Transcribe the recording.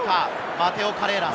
マテオ・カレーラス。